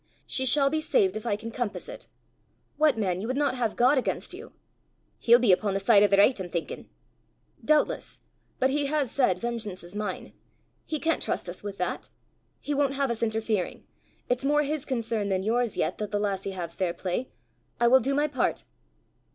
She shall be saved if I can compass it. What, man! you would not have God against you?" "He'll be upo' the side o' the richt, I'm thinkin'!" "Doubtless; but he has said, 'Vengeance is mine!' He can't trust us with that. He won't have us interfering. It's more his concern than yours yet that the lassie have fair play. I will do my part."